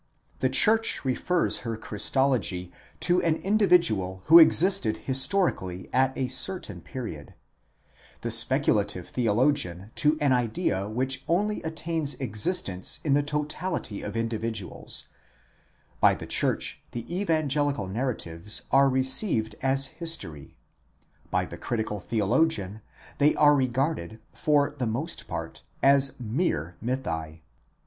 The church refers her Christology to an individual who existed histori cally at a certain period: the speculative theologian to an idea which only attains existence in the totality of individuals ; by the church the evangelical narratives are received as history : by the critical theologian, they are regarded for the most part as mere mythi.